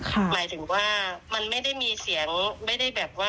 หมายถึงว่ามันไม่ได้มีเสียงไม่ได้แบบว่า